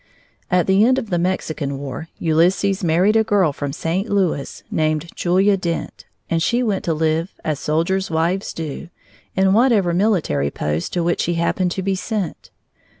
At the end of the Mexican War, Ulysses married a girl from St. Louis, named Julia Dent, and she went to live, as soldiers' wives do, in whatever military post to which he happened to be sent.